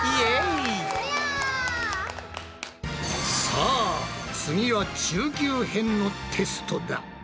さあ次は中級編のテストだ。